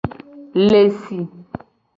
Le si.